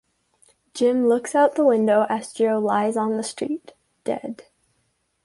Jim looks out of the window as Joe lies on the street, dead.